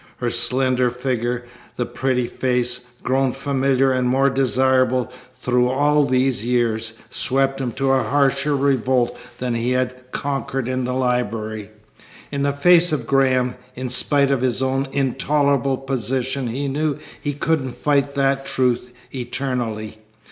Her slender figure, the pretty face, grown familiar and more desirable through all these years, swept him to a harsher revolt than he had conquered in the library. In the face of Graham, in spite of his own intolerable position he knew he couldn't fight that truth eternally.